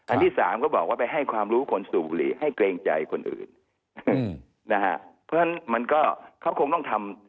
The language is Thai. ที่สามก็บอกว่าไปให้ความรู้คนสูบบุหรี่ให้เกรงใจคนอื่นนะฮะเพราะฉะนั้นมันก็เขาคงต้องทำ